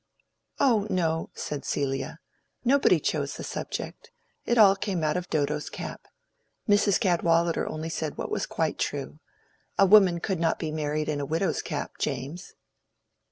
"Oh no," said Celia. "Nobody chose the subject; it all came out of Dodo's cap. Mrs. Cadwallader only said what was quite true. A woman could not be married in a widow's cap, James."